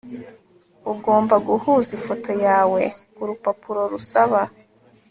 ugomba guhuza ifoto yawe kurupapuro rusaba